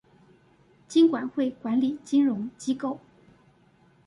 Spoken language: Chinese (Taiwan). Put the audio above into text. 金管會管理金融機構